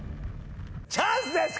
チャンスです！